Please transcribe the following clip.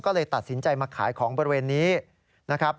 ก็เลยตัดสินใจมาขายของบริเวณนี้นะครับ